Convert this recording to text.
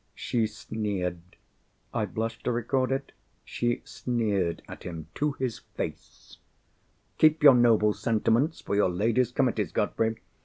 She sneered. I blush to record it—she sneered at him to his face. "Keep your noble sentiments for your Ladies' Committees, Godfrey.